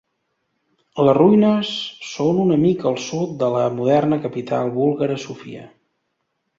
Les ruïnes són una mica al sud de la moderna capital búlgara Sofia.